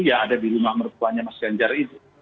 ya ada di rumah mertuanya mas ganjar itu